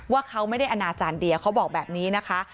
ว่าเขาไม่ได้อนาจารย์เดียเขาบอกแบบนี้นะคะ